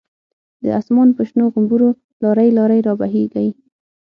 د آسمان په شنو غومبرو، لاری لاری را بهیږی